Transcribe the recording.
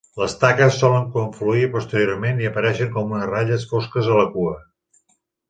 Les taques solen confluir posteriorment i apareixen com a ratlles fosques a la cua.